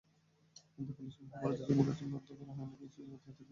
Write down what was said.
কিন্তু পুলিশের মহাপরিদর্শক বলেছেন, বাধ্য করা হয়নি, তিনি স্বেচ্ছায় পদত্যাগ করেছেন।